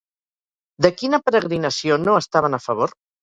De quina peregrinació no estaven a favor?